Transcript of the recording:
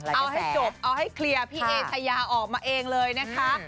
เอาให้จบเอาให้เคลียร์พี่เอชายาออกมาเองเลยนะคะ